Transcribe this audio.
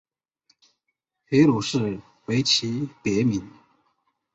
皮鲁士为其别名。